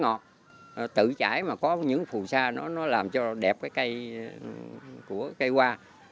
nó tự chải mà có những phù sa nó làm cho đẹp cái cây của cây hoa